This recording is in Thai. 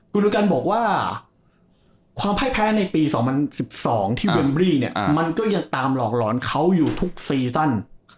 คุณดูกันบอกว่าความพ่ายแพ้ในปี๒๐๑๒ที่เวมบรี่เนี่ยมันก็ยังตามหลอกหลอนเขาอยู่ทุกซีซั่น